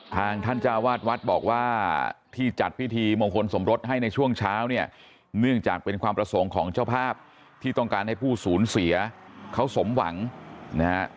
ท่านเจ้าวาดวัดบอกว่าที่จัดพิธีมงคลสมรสให้ในช่วงเช้าเนี่ยเนื่องจากเป็นความประสงค์ของเจ้าภาพที่ต้องการให้ผู้สูญเสียเขาสมหวังนะฮะ